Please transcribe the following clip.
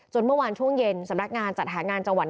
เมื่อวานช่วงเย็นสำนักงานจัดหางานจังหวัด